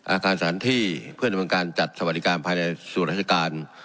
อาการสถานที่เพื่อในบางการจัดสวัสดิการภายในสวรรคการ